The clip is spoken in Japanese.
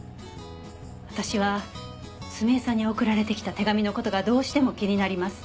私は澄江さんに送られてきた手紙の事がどうしても気になります。